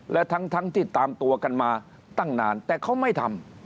และทั้งที่ตามตัวกันมาตั้งนานแต่เขาไม่ทำ